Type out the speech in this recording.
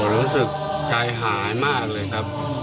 รู้สึกใจหายมากเลยครับ